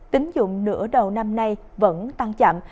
tín dụng nửa đầu năm nay vẫn tăng chậm